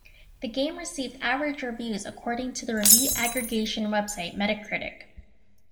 The game received "average" reviews according to the review aggregation website Metacritic.